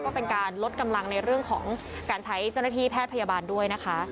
ก็เป็นการลดกำลังในเรื่องของการใช้เจ้าหน้าที่แพทย์พยาบาลด้วยนะคะ